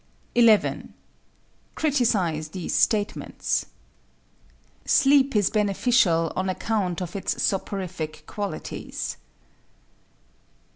11. Criticise these statements: Sleep is beneficial on account of its soporific qualities.